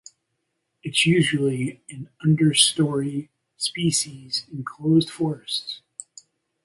It is usually an understorey species in closed forests.